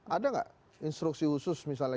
ada nggak instruksi khusus misalnya